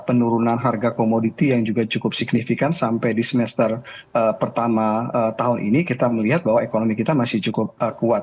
penurunan harga komoditi yang juga cukup signifikan sampai di semester pertama tahun ini kita melihat bahwa ekonomi kita masih cukup kuat